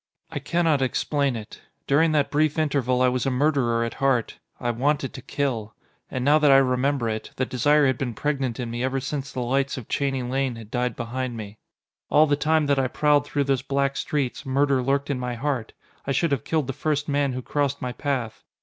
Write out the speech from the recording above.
I cannot explain it. During that brief interval I was a murderer at heart. I wanted to kill. And now that I remember it, the desire had been pregnant in me ever since the lights of Cheney Lane had died behind me. All the time that I prowled through those black streets, murder lurked in my heart. I should have killed the first man who crossed my path.